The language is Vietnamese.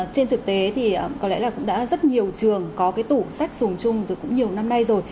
trên thực tế thì có lẽ là cũng đã rất nhiều trường có cái tủ sách dùng chung tôi cũng nhiều năm nay rồi